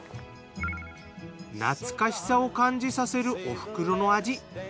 懐かしさを感じさせるおふくろの味。